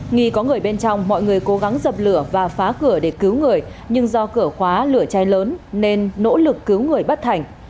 nghi có người bên trong mọi người cố gắng dập lửa và phá cửa để cứu người nhưng do cửa khóa lửa cháy lớn nên nỗ lực cứu người bất thành